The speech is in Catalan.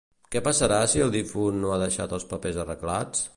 Què passarà si el difunt no ha deixat els papers arreglats?